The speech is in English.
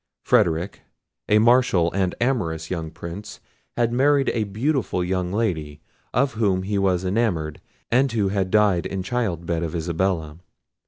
Frederic, a martial and amorous young Prince, had married a beautiful young lady, of whom he was enamoured, and who had died in childbed of Isabella.